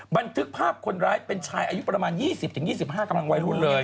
บันทึกภาพคนร้ายเป็นชายอายุประมาณ๒๐๒๕กำลังวัยรุ่นเลย